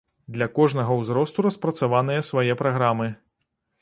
Для кожнага ўзросту распрацаваныя свае праграмы.